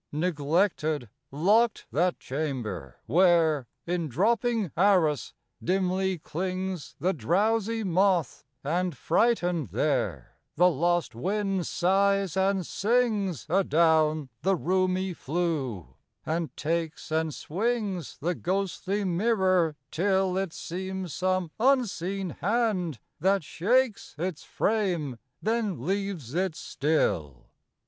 Neglected, locked that chamber, where In dropping arras dimly clings The drowsy moth; and, frightened there, The lost wind sighs and sings Adown the roomy flue, and takes And swings the ghostly mirror till It seems some unseen hand that shakes Its frame then leaves it still.